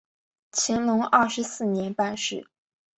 乾隆二十四年办事。